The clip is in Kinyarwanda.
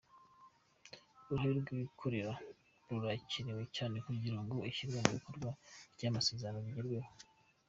Uruhare rw’abikorera rurakenewe cyane kugira ngo ishyirwa mu bikorwa ry’aya masezerano rigerweho.